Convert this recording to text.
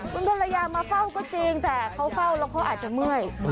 คุณภรรยามาเฝ้าก็จริงแต่เขาเฝ้าแล้วเขาอาจจะเมื่อย